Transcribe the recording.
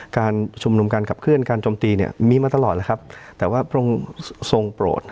การชุมนุมการขับเคลื่อนการจมตีเนี่ยมีมาตลอดแล้วครับแต่ว่าพระองค์ทรงโปรด